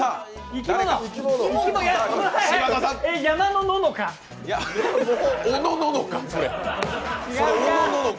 山のののか？